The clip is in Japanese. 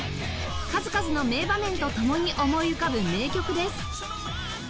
数々の名場面とともに思い浮かぶ名曲です